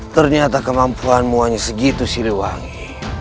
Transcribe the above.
ternyata kemampuanmu hanya segitu siliwangi